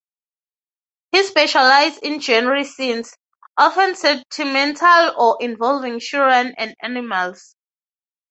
He specialised in genre scenes, often sentimental, or involving children and animals.